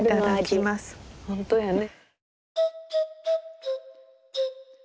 本当やね。